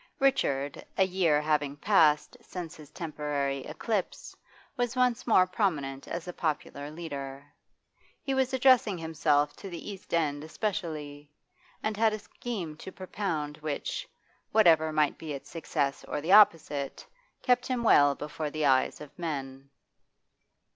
Richard, a year having passed since his temporary eclipse, was once more prominent as a popular leader. He was addressing himself to the East End especially, and had a scheme to propound which, whatever might be its success or the opposite, kept him well before the eyes of men.